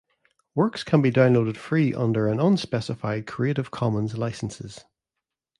Works can be downloaded free under an unspecified Creative Commons licenses.